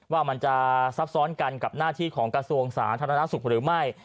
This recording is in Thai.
ว่ามันจะซับซ้อนกันกับหน้าที่ของกระทรวงสาธารณสุขหรือไม่